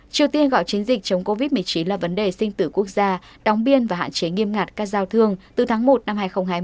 triều tiên gọi chiến dịch chống covid một mươi chín là vấn đề sinh tử quốc gia đóng biên và hạn chế nghiêm ngặt các giao thương từ tháng một năm hai nghìn hai mươi